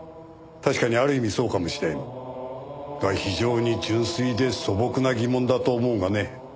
確かにある意味そうかもしれん。が非常に純粋で素朴な疑問だと思うがね。